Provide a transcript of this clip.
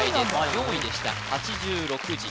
４位でした８６字